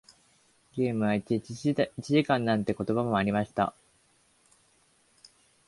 ゲームは一日一時間なんて言葉もありました。